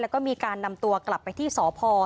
แล้วก็มีการนำตัวกลับไปที่สพ